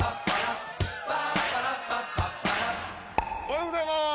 おはようございます。